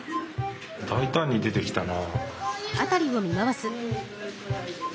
大胆に出てきたな。